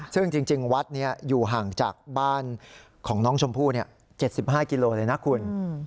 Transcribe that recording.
ซึ่งจริงวัดนี้อยู่ห่างจากบ้านของน้องชมพู่๗๕กิโลเลยนะคุณ